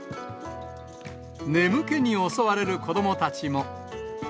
眠気に襲われる子どもたちも。